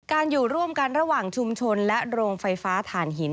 อยู่ร่วมกันระหว่างชุมชนและโรงไฟฟ้าฐานหิน